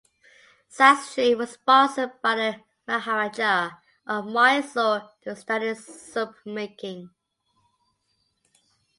Sastry was sponsored by the Maharaja of Mysore to study soap making.